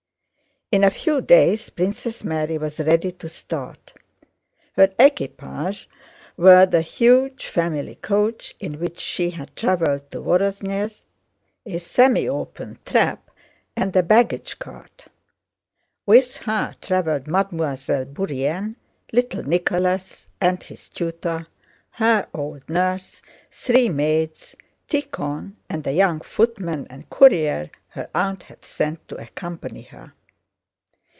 In a few days Princess Mary was ready to start. Her equipages were the huge family coach in which she had traveled to Vorónezh, a semiopen trap, and a baggage cart. With her traveled Mademoiselle Bourienne, little Nicholas and his tutor, her old nurse, three maids, Tíkhon, and a young footman and courier her aunt had sent to accompany her.